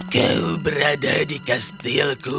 kau berada di kastilku